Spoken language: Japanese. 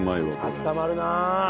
あったまるなあ。